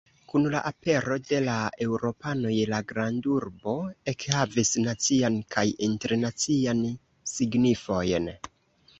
Kun la apero de la eŭropanoj la grandurbo ekhavis nacian kaj internacian signifojn.